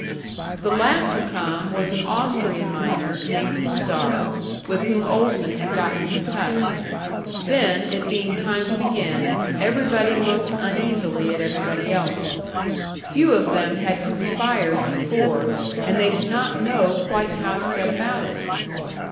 The last to come was an Austrian miner named Huszar, with whom Olson had got into touch. Then, it being time to begin, everybody looked uneasily at everybody else. Few of them had conspired before, and they did not know quite how to set about it.